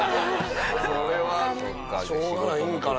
それはしょうがないんかな？